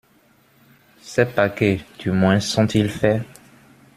Ses paquets, du moins, sont-ils faits ?